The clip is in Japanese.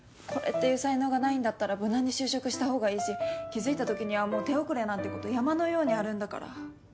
これっていう才能がないんだったら無難に就職したほうがいいし気付いたときにはもう手遅れなんてこと山のようにあるんだから。